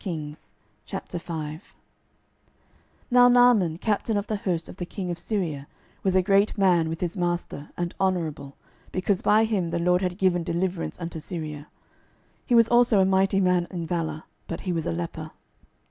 12:005:001 Now Naaman, captain of the host of the king of Syria, was a great man with his master, and honourable, because by him the LORD had given deliverance unto Syria: he was also a mighty man in valour, but he was a leper.